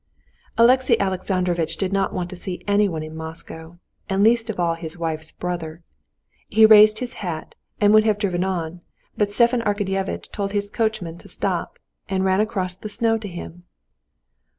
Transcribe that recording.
Alexey Alexandrovitch did not want to see anyone in Moscow, and least of all his wife's brother. He raised his hat and would have driven on, but Stepan Arkadyevitch told his coachman to stop, and ran across the snow to him.